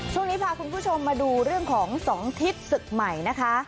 ช่วงนี้พาคุณผู้ชมมาดูเรื่องของ๒ทิศศึกใหม่นะคะ